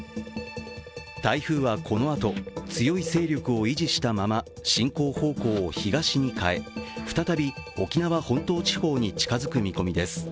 台風はこのあと、強い勢力を維持したまま進行方向を東に変え、再び沖縄本島地方に近づく見込みです。